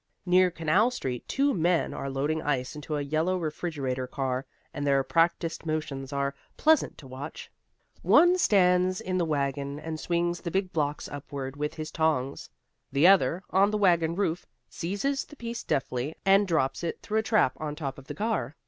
Near Canal Street two men are loading ice into a yellow refrigerator car, and their practiced motions are pleasant to watch. One stands in the wagon and swings the big blocks upward with his tongs. The other, on the wagon roof, seizes the piece deftly and drops it through a trap on top of the car.